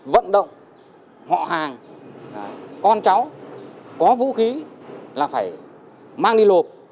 vận động họ hàng con cháu có vũ khí là phải mang đi lộp